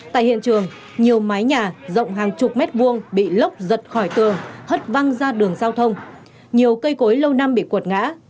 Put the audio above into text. tại hiện trường nhiều mái nhà rộng hàng chục mét vuông bị lốc giật khỏi tường hất văng ra đường giao thông nhiều cây cối lâu năm bị quật ngã